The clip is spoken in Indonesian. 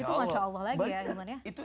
itu masya allah lagi ya hilman ya